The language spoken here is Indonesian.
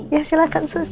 ya silahkan sus